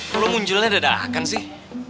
kok lo munculnya dedakan sih